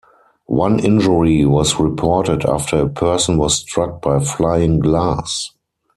One injury was reported after a person was struck by flying glass.